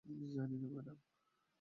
জানি না, ম্যাডাম।